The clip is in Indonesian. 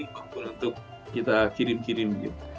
maupun untuk kita kirim kirim gitu